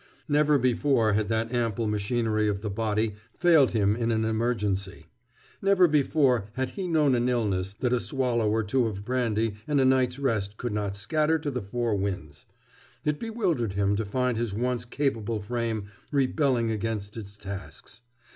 Never before had that ample machinery of the body failed him in an emergency. Never before had he known an illness that a swallow or two of brandy and a night's rest could not scatter to the four winds. It bewildered him to find his once capable frame rebelling against its tasks.